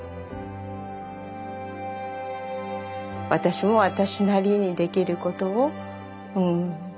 私も私なりにできることをうん。